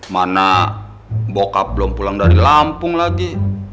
mana bokap belum pulang dari lampung lagi